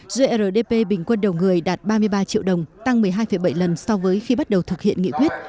dưới rdp bình quân đầu người đạt ba mươi ba triệu đồng tăng một mươi hai bảy lần so với khi bắt đầu thực hiện nghị quyết